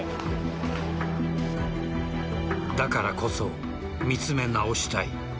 だからこそ見つめ直したい。